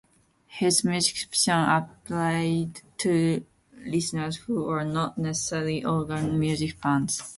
His musicianship appealed to listeners who were not necessarily organ music fans.